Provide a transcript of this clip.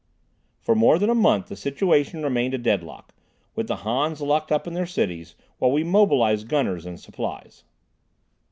For more than a month the situation remained a deadlock, with the Hans locked up in their cities, while we mobilized gunners and supplies.